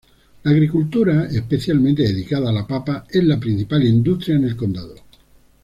La agricultura, especialmente dedicada a la papa, es la principal industria en el condado.